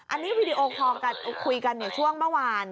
อันนี้วีดีโอคอลกันคุยกันช่วงเมื่อวาน